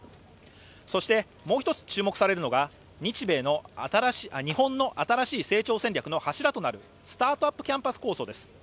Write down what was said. そして、もう一つ注目されるのが、日本の新しい柱となるスタートアップ・キャンパス構想です。